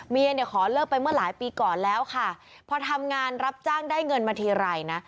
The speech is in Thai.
เมียเนี่ยขอเลิกไปเมื่อหลายปีก่อนแล้วค่ะพอทำงานรับจ้างได้เงินมาทีไรนะ